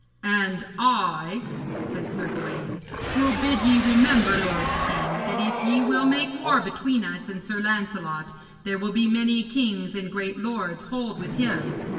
'And I,' said Sir Gawaine, 'will bid ye remember, lord king, that if ye will make war between us and Sir Lancelot, there will be many kings and great lords hold with him.